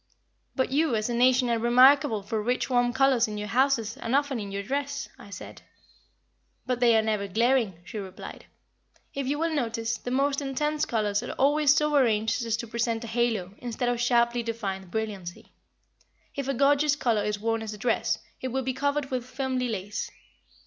"But you, as a nation, are remarkable for rich warm colors in your houses and often in your dress," I said. "But they are never glaring," she replied. "If you will notice, the most intense colors are always so arranged as to present a halo, instead of sharply defined brilliancy. If a gorgeous color is worn as a dress, it will be covered with filmy lace.